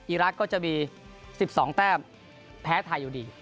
อรักษ์ก็จะมี๑๒แต้มแพ้ไทยอยู่ดี